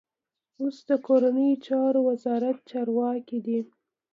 اوس د کورنیو چارو وزارت چارواکی دی.